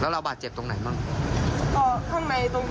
เราบาดเจ็บตรงไหนบ้าง